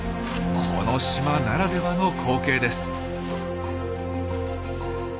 この島ならではの光景です。